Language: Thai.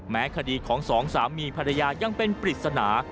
คดีของสองสามีภรรยายังเป็นปริศนา